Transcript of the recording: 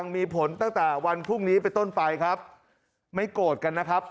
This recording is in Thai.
มีผลตั้งแต่วันพรุ่งนี้ไปต้นไปครับไม่โกรธกันนะครับ